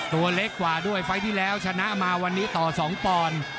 ตัวเล็กกว่าด้วยไฟล์ที่แล้วชนะมาวันนี้ต่อ๒ปอนด์